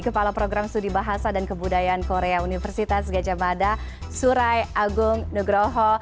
kepala program studi bahasa dan kebudayaan korea universitas gajah mada surai agung nugroho